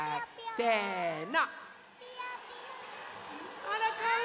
せの！